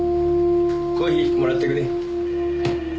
コーヒーもらってくね。